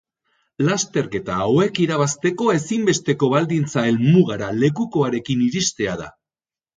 Lasterketa hauek irabazteko ezinbesteko baldintza helmugara lekukoarekin iristea da.